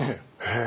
ええ。